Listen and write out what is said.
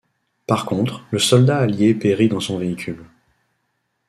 Par contre le soldat allié périt dans son véhicule.